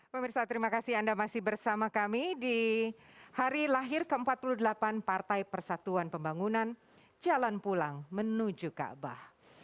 pemirsa terima kasih anda masih bersama kami di hari lahir ke empat puluh delapan partai persatuan pembangunan jalan pulang menuju kaabah